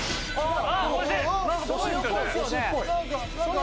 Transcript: はい。